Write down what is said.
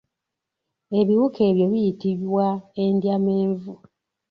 Ebiwuka ebyo biyitibwa endyamenvu.